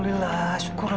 sudah tinggal tiga